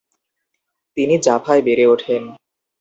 তিনি জাফায় বেড়ে ওঠেন।